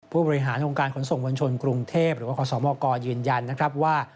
ผู้บริหารองค์การขนส่งมวลชนกรุงเทพหรือว่าขอสมกยืนยันนะครับว่า